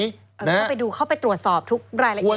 เข้าไปดูเข้าไปตรวจสอบทุกรายละเอียด